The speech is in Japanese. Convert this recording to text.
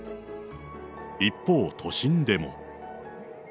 一方、都心でも。